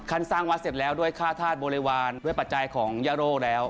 สร้างวัดเสร็จแล้วด้วยค่าธาตุบริวารด้วยปัจจัยของย่าโรคแล้ว